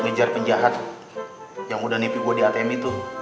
ngejar penjahat yang udah nepi gua di atm itu